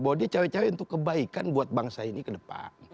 bahwa dia cawe cawe untuk kebaikan buat bangsa ini ke depan